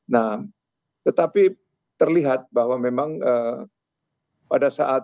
nah tetapi terlihat bahwa memang pada saat